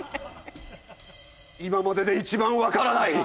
今までで一番分からない！